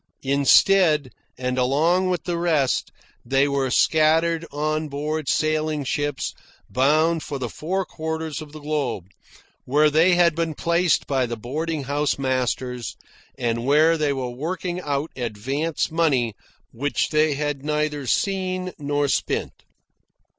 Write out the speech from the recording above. Instead, and along with the rest, they were scattered on board sailing ships bound for the four quarters of the globe, where they had been placed by the boarding house masters, and where they were working out advance money which they had neither seen nor spent.